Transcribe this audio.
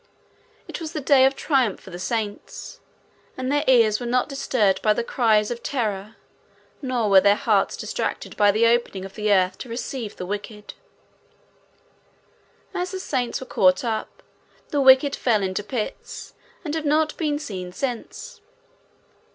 It was the day of triumph for the saints, and their ears were not disturbed by the cries of terror, nor were their hearts distracted by the opening of the earth to receive the wicked. As the saints were caught up, the wicked fell into pits and have not been seen since.